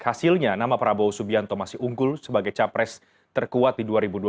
hasilnya nama prabowo subianto masih unggul sebagai capres terkuat di dua ribu dua puluh